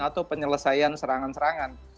atau penyelesaian serangan serangan